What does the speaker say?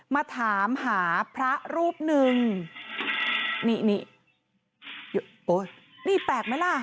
มาถามหาพระรูปหนึ่งนี่นี่แปลกไหมล่ะ